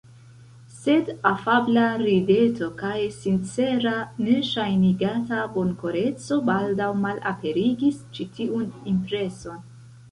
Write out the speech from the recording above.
Sed afabla rideto kaj sincera, ne ŝajnigata bonkoreco baldaŭ malaperigis ĉi tiun impreson.